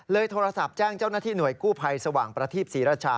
โทรศัพท์แจ้งเจ้าหน้าที่หน่วยกู้ภัยสว่างประทีปศรีราชา